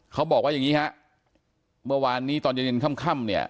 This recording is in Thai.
เขาบอกว่าอย่างนี้ฮะเมื่อวานนี้ตอนเย็นเย็นค่ำเนี่ย